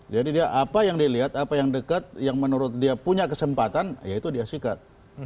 jadi dia apa yang dilihat apa yang dekat yang menurut dia punya kesempatan ya itu dia sikat